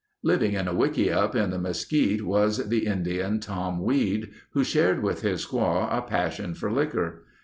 Living in a wickiup in the mesquite was the Indian, Tom Weed, who shared with his squaw a passion for liquor.